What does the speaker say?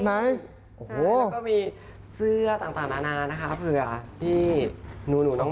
แล้วก็มีเสื้อต่างนานานะคะเผื่อที่หนูน้อง